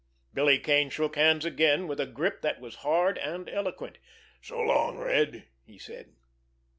Billy Kane shook hands again—with a grip that was hard and eloquent. "So long, Red!" he said.